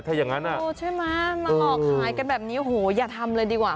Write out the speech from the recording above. ถ้าอย่างนั้นอ่ะใช่ไหมมาหลอกขายกันแบบนี้โอ้โหอย่าทำเลยดีกว่า